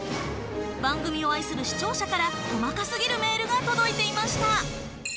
番組を愛する視聴者から細かすぎるメールが届いていました。